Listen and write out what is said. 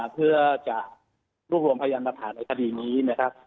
เพื่อจะรวบรวมพยานมาผ่านในคดีนี้นะครับ